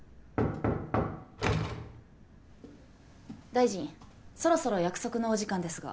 大臣そろそろ約束のお時間ですが。